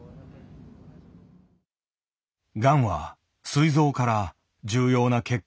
がんはすい臓から重要な血管へ浸潤。